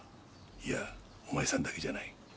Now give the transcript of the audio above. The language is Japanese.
いやお前さんだけじゃない。